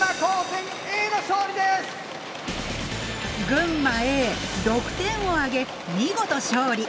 群馬Ａ６点を挙げ見事勝利。